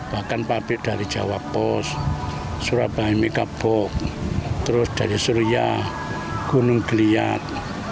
bahkan pabrik dari jawa post surabaya megabok terus dari suria gunung geliat